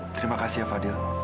terima kasih fadil